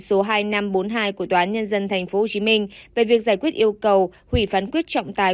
số hai nghìn năm trăm bốn mươi hai của tòa án nhân dân tp hcm về việc giải quyết yêu cầu hủy phán quyết trọng tài